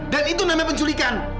dan itu namanya penculikan